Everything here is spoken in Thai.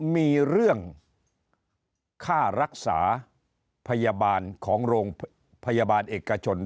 มีเรื่องค่ารักษาพยาบาลของโรงพยาบาลเอกชน